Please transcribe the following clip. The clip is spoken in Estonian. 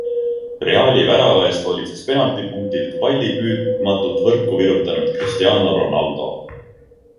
Reali värava eest hoolitses penaltipunktilt palli püüdmatult võrku virutanud Cristiano Ronaldo.